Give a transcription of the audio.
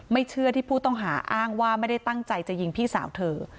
เชื่อที่ผู้ต้องหาอ้างว่าไม่ได้ตั้งใจจะยิงพี่สาวเธอ